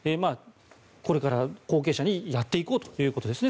これから後継者にやっていこうというわけですね。